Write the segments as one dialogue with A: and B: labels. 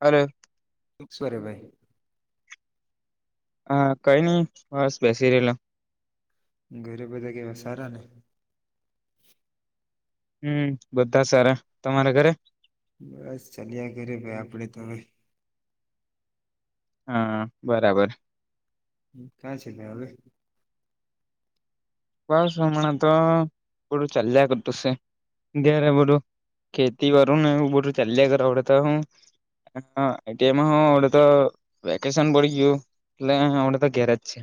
A: અરે
B: [unintelligible] રે ભાઈ.
A: હા કઈ નઈ, બસ બેસી રએલા.
B: ઘરે બધા કેવા, સારા ને?
A: હમ્મ, બધા સારા. તમારા ઘરે?
B: બસ ચાલ્યા ઘરે ભાઈ આપડે તો હવે.
A: હા બરાબર.
B: હમ્મ ક્યાં છે તે હવે?
A: બસ હમણાં તો બધું ચાલ્યા કરતું સે, ઘેરે બધું ખેતી વારું ને એ બધું ચાલ્યા કરે આવડે તો હું [unintelligible] તેમહો અડે તો વેકેશન પડી ગ્યું એટલે હમડે તો ઘેરે જ છે.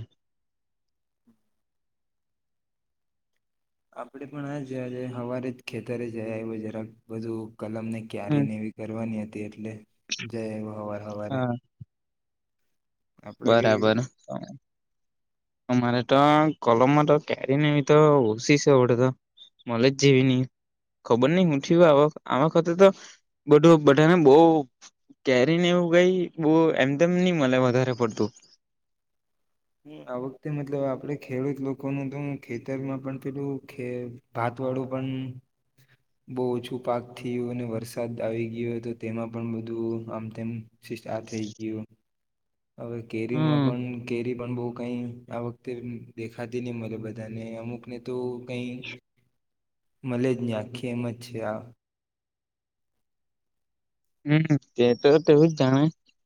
B: આપડે પણ આજ જ હવારે જ ખેતરે એ જઈ આઈવો જરાક બધું કલમ ને ક્યારે
A: હમ
B: નેવી કરવાની હત એટલે જય આઈવો હવાર હવારે.
A: હા
B: આપડા ઘેર
A: બરાબર. અમારે તો કોલમમાં તો કેરીને એવી તો ઓસી છે [unintelligible] તો મળે જ જેવી ની, ખબર ની હું થયું આ વખ આ વખતે તો બધું બધાને બઉ કેરીને એવું કઈ બો એમ તેમ ની મલે વધારે. પડતું.
B: હમ્મ, આ વખતે મતલબ આપડે ખેડૂત લોકોનું તો ખેતરમાં પણ પેલું ખે ભાત વાળું પણ બહ ઓછું પાક થ્યું ને વરસાદ આવી ગયો હો તો તેમાં પણ બધું આમ તેમ શિષ્ટા આ થઈ ગ્યું. હવે કેરીમાં
A: હમ.
B: પણ કેરી પણ બો કઈ આ વખતે દેખાતી ની મળે બધાને અમુક ને તો કઈ મલે જ ની આખિ એમ જ છે આ
A: હમ્મ, તે તો તેવું જ જાણે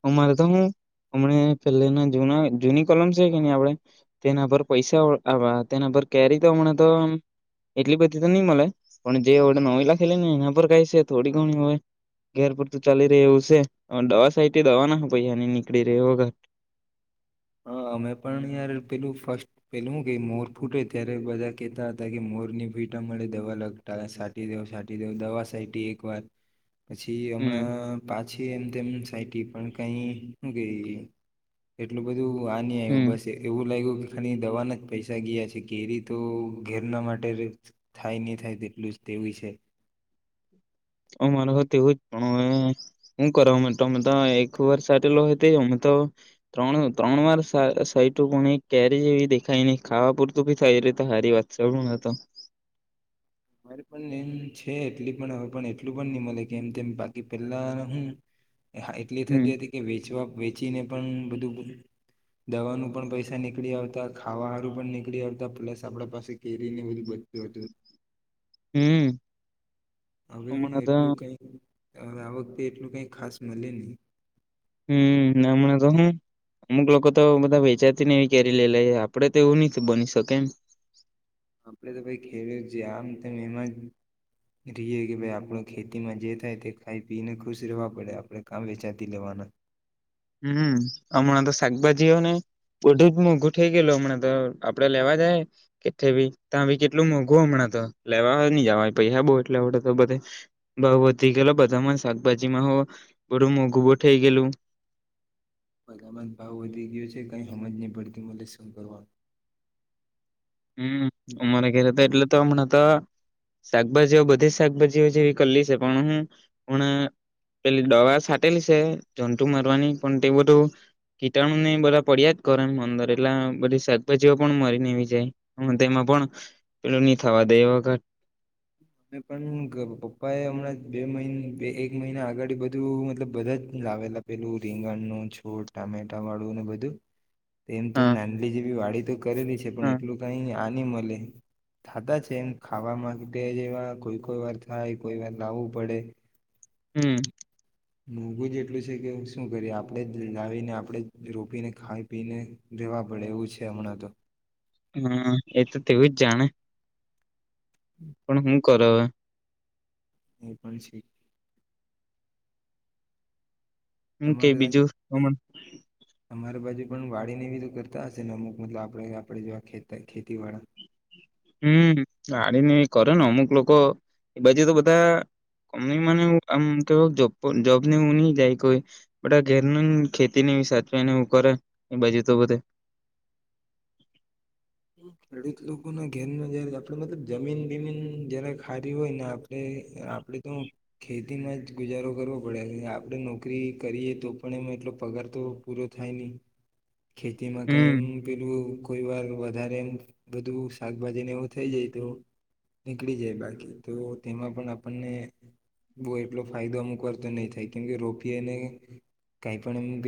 A: અમારે તો હું, હમણા પેલેની જૂના જૂની કલમ છે કે નિ આપડે, તેના પર પૈસા તેના પર કેરી તો હમણાંતો એટલી બધી તો ની મલે પણ જેડ નવી લાખેલી ને એના પર કઈ છે થોડી ઘણી હોય. ઘેર પૂરતું ચાલી રે એવું છે, દવા સાઈટી દવાના હો પૈહા ની નીકળી રહ્યો ઘર.
B: હા. અમે પણ યાર પેલું ફસ્ટ પેલું હું કે મોર ફૂટે ત્યારે બધા કેતા હતા કે મોર ની ભીટા મળે દવા લગતા સાટી દેવ સાટી દઉ દવા સાઈટી એક વાર પછી હમણા
A: હમ
B: પાં છી એમ તેમ છાઇટી પણ કઈ ગય એટલું [unintelligible] બું આની આવ
A: હમ.
B: બસ એવું લાઇગુ ખની દવાના જ પૈસા ગ્યા છે કેરી તો ઘેરના માટે [unintelligible] થાય ની થાય તેટલું જ તેવું છે.
A: અમારોવું તેવુ જ પણ હવે, હું કરવા માટ અમે તો એક વાર સાટેલો અમે તો ત્રણ ત્રણ વાર સઇટુ પણ કેરી જેવી દેખાય નહી ખાવા પૂરતું બી થાય એ રી તે તો હારી વાત [unintelligible] તો.
B: અરે પણ એમ છે એટલી પણ હવે પણ એટલું પણ નહી મળે કે એમ તેમ બાકી પેલા હું એટલી
A: હમ
B: થતી હતી કે વેચવા વેચીને પણ બધું દવાનું પણ પૈસા નીકળી આવતા, ખાવા હારું પણ નીકળી આવતા, પ્લસ આપડા પાસે કેરી ને બધું બચતું હતું.
A: હમ્મ.
B: હવે હું એટલું કઈક, હવે આ વખતે એટલું કઈ ખાસ મળે નહી.
A: હમ નામણા તો હું અમુક લોકો તો બધા વેચાતી ને એવી કેરી લે લ આપડે તો, એવું નથી બની શકે એમ
B: આપણેે તો ભ ખેડૂત છે, આમ એમાં જ રએ કે ભ આપ ખેતીમાં જે થાય તે ખાઈ પીને ખુશ રહેવા પડે, આપણે કામ વેચાતી લેવાના
A: હમ હમણાં તો શાકભાજી હો ને બધું જ. મોંઘું થઇ ગયેલું હમણાં તો આપડે લેવા જાય કે ભી ત્યાં બી કેટલું મોંઘું હમણાં તો લેવા ન જવા પૈ બઉ એટલે તો બધ બઉ વધી ગયેલો બધામાં શાકભાજીમાં હો બધું મોઘું બહુ થઇ ગયેલું.
B: બધામાંન ભાવ વધી ગયો છે કઈ સમજ નહી પડતી મળ શું કરવાનું
A: હમ અમારે ઘરે એટલે, તો હમણા તો શાકભાજીઓ બધી શાકભાજીઓ જેવી કરલી છે પણ હું હ પેલી દવા સાાટેલી છે જંતુ મરવાની પણ તે બધું કીટાણુ ની બધા પડિયા જ કરો એમ અંદર એટલા બધી શાકભાજીઓ પણ મરી ને આવી જાય હ તેમાં પણ પેલું નહી થવા દેવા ઘા
B: અમે પણ પપ્પા એ હમણાં બે મહિ બે એક મહિના આગળ બધું મતલબ બધા જ લાવેલા પેલું રીંગણનું છોટ ટામેટા વાળું ને બધું, તેમ તેમ
A: હા
B: નાંદલી જેવી વાડીી તો કરેલી છે. પણ એટલું કઈ, નાની મળે થાધા છે એમ ખાવા માં ગે કોઈ કોઈ વાર થાય કોઈ વાર લાવવું પડે
A: હમ
B: મોઘું જ એટલું છે, કે શું? કરીએ આપણે જ લાવીને આપણે રોપીને ખાઈ પીને રહેેવા પડે એવું છે, હમણાં તો
A: હમ એ તો તેવુંજ જાણે, પણ હું કરાવ
B: એ પણ છે
A: હમ ક
B: તમારે
A: બીજું હમ
B: તમારી બાજુ પણ વાડીને બીધ કરતા હશે, ને અમુક મતલબ આપણે આપે જોવાે ખેતી વાળા
A: હમ આડીને એ કરે ને અમુક લોકો એ બાજુ તો બધા મને આમ, તો જોબ ને નહી જાય કોઈ, બા ઘેરનું ખેતી ને સાચવી ને એું કરે એ બાજુ તો બધ,
B: ખેડૂત લોકોના ઘેનમાં જયારે આપણે મતલબ જમીન બીમીન જય્યારે ખારી હોય ને આપણે આપણેે તો ખેતીમાં જ ગુજારો કરવો પડે આપડણે નોકરી કરીએ તો પણ એમાં એટલો પગાર તો પૂરો થાય નહી. ખેતીમાં કઈ
A: હમ્મ,
B: એમ પેલું કો વધા બધું શાકભાજીને એવું થઈ જાય તો નીકળી જાય બાકી તો તેમાં પણ, આપણને બ એટલો ફાયદો અમુક વા તો નહી થાય કેમકે રોપીને કઈ, પણ એમ પ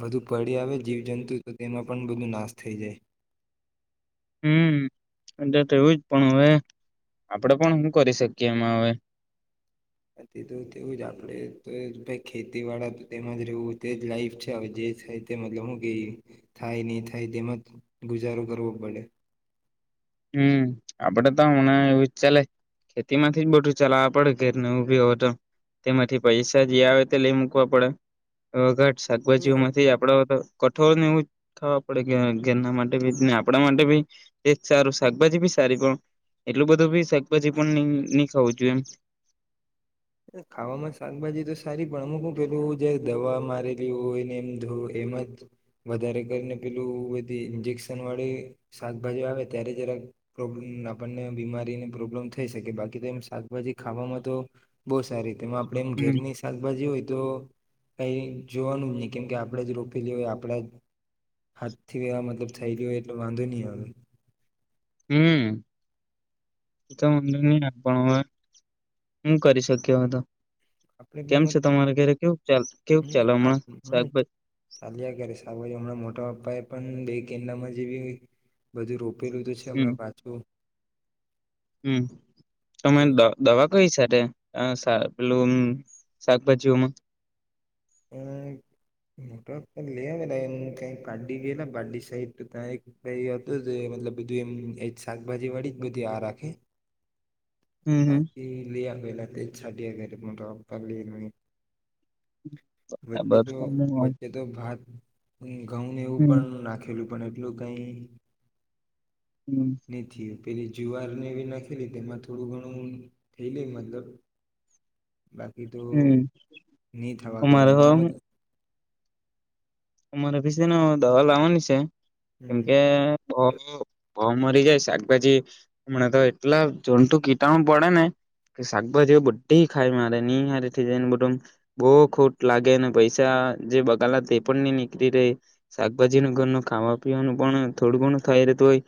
B: બધું પડી આવે જીવ જંતુ તો તેમાં પણ બધું નાશ થઈ જાય.
A: એ તો એવું જ પણ હવે આપડે પણ શું કરી શકીએ એમાં હવે,
B: તો તેવું જ આપણેે તો ખેતી વાળા તેમાંજ રહેવું તે જ લાઈફ છે, હવે જે થાય તે મતલબ હું, કે થાય નહી થાય તેમાં જ ગુજારો કરવો પડે,
A: હમ આપડે તો હણા એવું ચા ખેતી માંથી જ બધું ચલાવવા પડે ઘેર ઉભી હોય તો તેમાંથી પૈસા જે આવે તે લઈ મુૂકવા પડે વ શાકભાજીઓ માંથી આપડો તો, કઠોર ને એવું ખાવા પડે ઘરના માટેીને આપણા માટે ભી, સારું શાકભાજી બી સારી પણ એટલું બધું બી શાકભાજી પણ નહી ખાવું જોું, એમ
B: ખાવામાં શાકભાજી તો સારી પણ અમુક પેલું જ દવા મારેલી હોયને એમ ધ એમ જ વધારે કરીને પેલું બધી ઇન્જેક્શન વાળી શાકભાજી આવે ત્યારે જરાક પ્રોબ્લેમ આપણને બીમારીને પ્રોબ્લેમ થઈ શકે બાકી તો એમ શાકભાજી, ખાવામાં તો બહુ સારી તેમાં આપણે એમ ઘેર ની શાકભાજી હોય તો, કઈ જોવાનું જ નહી, કેમકે આપણે જ રોપેલી હોય આપણા હાથથી મતલબ થયલી હોય એટ વાંધો નહી, આવે
A: હમ નહી હવે હું કરી શક્યો હતો કેમ છે તમારે ઘરે કેવું ચાલ કેવું ચાલે હમણાં
B: આપ
A: શાકભાજી
B: ચાલ્યા્યારેાર હમણાં મોટા પણ બે કેન્ડામાં જેવી બધું રો ેલું તો છે હમણાં પાછું
A: હમ્મ તમે
B: તો
A: દવા કઈ સે તે અ સા પેલું અમ શાકભાજીઓમાં
B: અ મોટાપાપા લે આવે લા એમ પારડી ગયેલા પારડી સાઈડ કઇ હતુ તે મતલબ બધું એમ શાકભાજી વાળી બધી આ રાખે
A: હમ હમ
B: તાજી લે આવે [unintelligible] વચ્ચે
A: બરાબર
B: તો વચ્ચે તો ભાત હમ્મ ઘઉં ને એવું
A: હમ
B: પણ નાખેલું પણ એટલું કાઈ
A: હમ
B: નીચી એ પેલી જુવાર ને એ નાખેલી તેમાં થોડું ઘણું થઈ લે મતલબ બાકી તો
A: હમ
B: નહી થવા
A: અમારે
B: ગરમ
A: હ
B: હમણાં
A: અમારે બીને સે ને દવા લાવવાની સે કેમ
B: હમ
A: કે બો બો મરી જાય શાકભાજી હમણાં તો એટલા જંતુ કીટાણુ પડે ને કે શાકભાજી બધી ખાય મારે ની હારી જાય ને બધું એમ બો ખોટ લાગેને પૈસા જે બગાલા શાકભાજી ન ઘર ન ખાવા પીવાનું પણ થોડું ઘણું થાય રહેતું હોય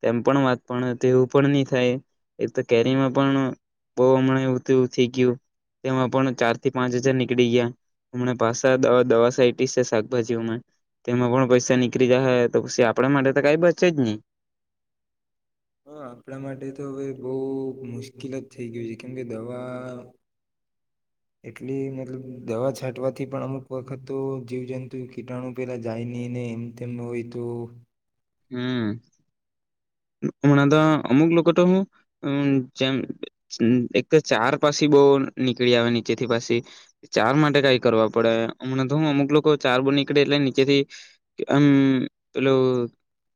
A: તેમ પણ વાત પણ તેવું પણ નહી થાય એક તો કેરીમાં પણ બહુ હમણાં એવું થયુ ગયું તેમાં પણ ચાર થી પાંચ હજાર નીકળી ગયા હમણાં પાસા દવા સાઇ ભજીમાં તેમાં પણ પૈસા નીકળી જાય તો પછી આપણા માટે તો કઈ બચે જ નહી
B: હા આપણા માટે તો હવે બહુ મુશ્કેલ જ થઈ ગયું છે કેમ કે દવા એટલી મતલબ દવા છાંટવાથી પણ અમુક વખત તો જીવજંતુ કીટાણુ પેલા જાય નહી ને એમ તેમ હોય તો
A: હમ્મ હમણાં તો અમુક લોકો તો હું અમ જેમ એક તો ચાર પાછી બો નીકળી આવે નીચેથી પાછી ચાર માટે કઈ કરવા પડે હમણાં તો હ અમુક લોકો ચાર બહ નીકળે એટલે નીચેથી આમ પેલું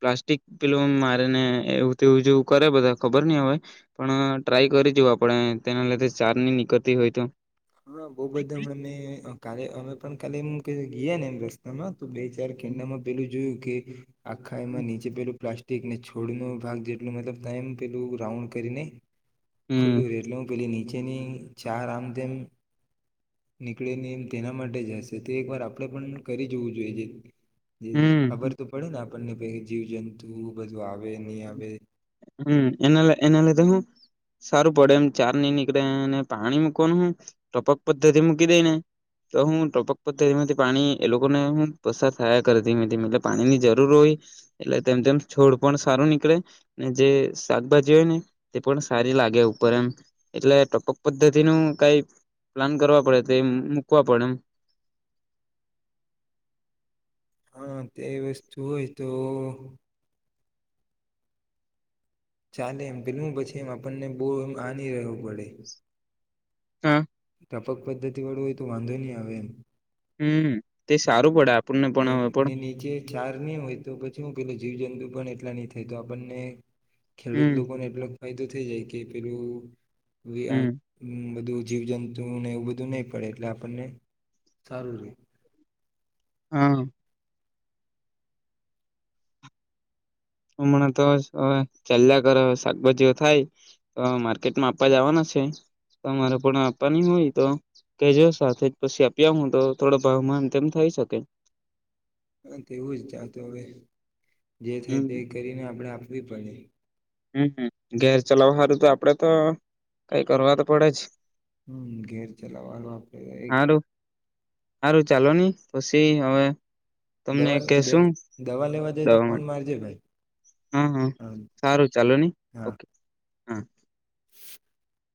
A: પ્લાસ્ટિક પેલું કરીને જેવું તેવું જેવું કરે બધા ખબર નહી હવે પણ ટ્રાય કરી જોું આપણે તેના લીધે ચાર ની નીકળતી હોય તો
B: હમણા બો બધા હમણાં મેં કાલે અમે પણ કાલે એ કઇ ગિયાના રસ્તા મા તો બે ચાર [unintelligible] પેલું જોયું કે આખા એમાં નીચે પેરું પ્લાસ્ટિકને છોડનો ભાગ જેટલું મતલબ ના એમ પેલું રાઉન્ડ કરીને
A: હમ
B: ખુલ્લું રે એટલે હું પેલી નીચે તેની ચારા આમતેમ નીકળે ને એમ તેના માટે જ હશે તે એક વાર આપણે પણ કરી જવું જોઈએ જે જ જ ખબર
A: હમ
B: તો પડે ને આપ આપણને કઇ જીવ જંતુ બધું આવે આવે ન આવે
A: હમ એના લ એના લીધે હું સારું પડે એમ ચાર ની નીકળે પાણી મૂકવાનું હું ટપક પદ્ધતિ મૂકી દઈ ને તો હું ટપક પદ્ધતિ માંથી પાણી એ લોકોને હું પસાર થયા કર એટલે પાણી ની જરૂર હોય એટલે તેમ તેમ છોડ પણ સારું નીકળે ને જે શાકભાજી હોય ને તે પણ સારી લાગે ઉપર એમ એટલે ટપક પદ્ધતિ નું કઈ પ્લાન કરવા પડે તે મૂકવા પડે એમ
B: હા તે વસ્તુ હોય તો ચાલે એમ પેલું પછી એમ આપણને બહુ એમ આની રહેવું પડે
A: હા.
B: ટ્યાપક પદ્ધતિ વાળું હોય તો વાંધો નહી આવે એમ
A: હમ તે સારું પડે આપે
B: ને નીચે ચાર નહી હોય તો પછી હું કેેલો છ જીવ જંતુ પણ એટલા નહી થાય તો આપણને ખેડૂત
A: હમ
B: લોકોને એટલે ફાયદો થઇ જાય કે પેલું [inaudible] આ
A: હમ
B: બધું જીવ જંતુને એવું બધું નહી પડે એટલે આપણને સારું રહે
A: હા. હમણાં તો ચાલ્યા કર શાકભાજીઓ થાય તો માર્કેટમાં આપવા જવાના છે તમારે પણ આપવાની હોય તો કેજો સાથે જ પછી આપી હ તો થોડો ભાવમાન તેમ થઇ શકે
B: હા તોવું જ ચત હવે જે થાય તે
A: હમ
B: કરીને આપણે વિપણ
A: હમ ઘેર ચલાવ સારું તો આપડે તો કઈ કરવા તો પડે જ
B: હમ ઘેર ચલાવાળ આપડ
A: સારું સારું ચાલો નહી પછી હવે તમને
B: દવા
A: કશું
B: દવા લેવા જાય તો
A: દવા
B: ફોન
A: માટે
B: મારજે ભાઈ
A: હા હા સારું ચાલો નહી
B: હા.
A: ઓકે હા